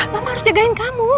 mama harus jagain kamu